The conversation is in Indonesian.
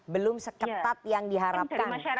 belum seketat yang diharapkan